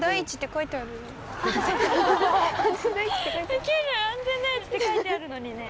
ウケる「安全第一」って書いてあるのにね。